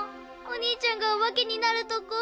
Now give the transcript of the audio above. お兄ちゃんがオバケになるとこ。